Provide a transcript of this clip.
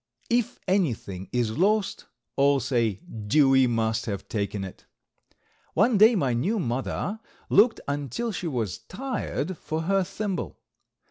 If anything is lost all say "Dewey must have taken it." One day my new mother looked until she was tired for her thimble.